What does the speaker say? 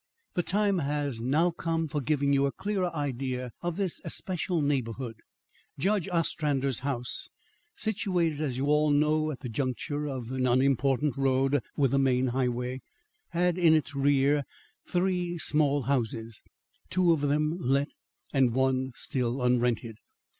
The time has now come for giving you a clearer idea of this especial neighbourhood. Judge Ostrander's house, situated as you all know at the juncture of an unimportant road with the main highway, had in its rear three small houses, two of them let and one still unrented.